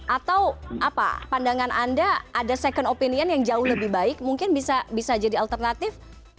atau apa pandangan anda ada second opinion yang jauh lebih baik mungkin bisa jadi alternatif